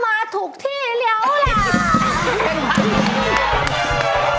หมามาถูกที่แล้วล่ะ